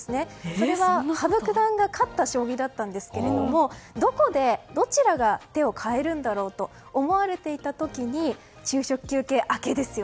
それが羽生九段が勝った将棋だったんですけどどこでどちらが手を変えるんだろうと思われていた時に昼食休憩明けですよ。